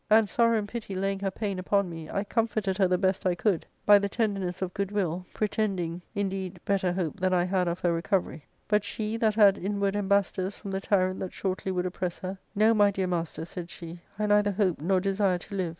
And, Sorrow and pity laying her pain upon me, I comforted her the best I could by the tenderness of y 214 ARCADIA.—Book IL good will, pretending, indeed, better hope than I had of her recovery. "But she, that had inward ambassadors. from the tyrant that shortly would oppress her, * No, my dear master,' said she, * I neither hope nor desire to live.